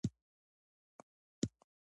دا پرسونل ته د منظورۍ وروسته ورکول کیږي.